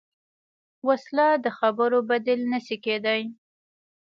وسله د خبرو بدیل نه شي کېدای